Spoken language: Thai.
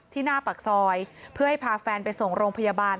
หน้าปากซอยเพื่อให้พาแฟนไปส่งโรงพยาบาล